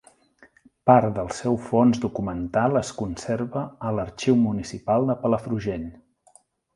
Part del seu fons documental es conserva a l'Arxiu Municipal de Palafrugell.